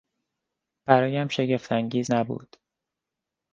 برایم شگفت انگیز نبود.